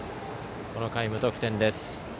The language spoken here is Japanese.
この回、無得点です。